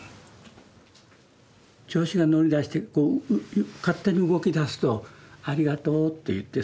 調子が乗り出して勝手に動きだすとありがとうって言って。